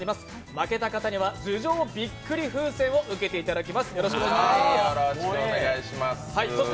負けた人には頭上びっくり風船を受けていただきます。